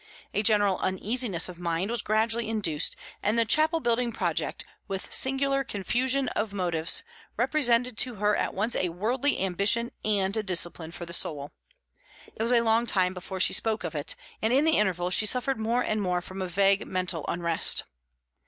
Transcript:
A general uneasiness of mind was gradually induced, and the chapel building project, with singular confusion of motives, represented to her at once a worldly ambition and a discipline for the soul. It was a long time before she spoke of it, and in the interval she suffered more and more from a vague mental unrest.